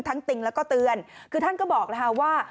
ทั้งติงแล้วก็เตือนคือท่านก็บอกว่า